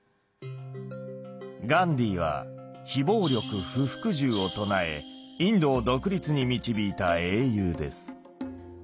ガンディーは「非暴力・不服従」を唱えインドを独立に導いた英雄です。